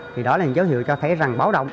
thì đó là những dấu hiệu cho thấy rằng báo động